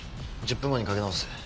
１０分後にかけ直す。